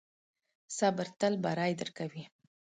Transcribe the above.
صبر تل بری درکوي.